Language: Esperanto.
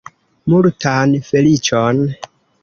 Multan feliĉon!